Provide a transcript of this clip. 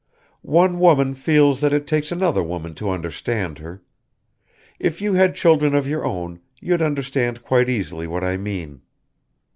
"One woman feels that it takes another woman to understand her. If you had children of your own, you'd understand quite easily what I mean."